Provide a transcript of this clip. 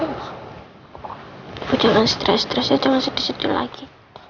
ibu jangan stres stres aja jangan sedih sedih lagi